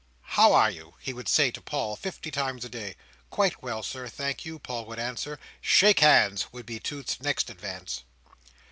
"How are you?" he would say to Paul, fifty times a day. "Quite well, Sir, thank you," Paul would answer. "Shake hands," would be Toots's next advance.